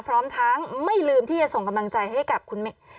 พร้อมทั้งไม่ลืมที่จะส่งกำลังใจให้กับคุณแม่